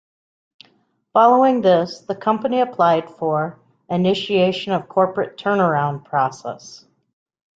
Following this, the company applied for "initiation of corporate turnaround process".